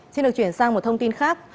xin được chuyển sang một thông tin khác